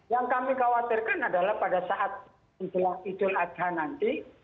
yang kami khawatirkan adalah pada saat itu aja nanti